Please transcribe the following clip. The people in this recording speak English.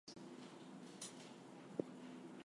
He also played one game in the Georgian Cup.